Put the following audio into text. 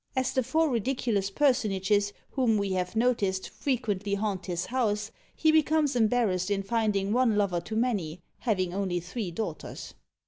As the four ridiculous personages whom we have noticed frequently haunt his house, he becomes embarrassed in finding one lover too many, having only three daughters.